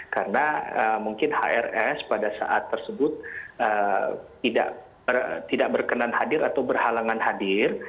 karena mungkin hrs pada saat tersebut tidak berkenan hadir atau berhalangan hadir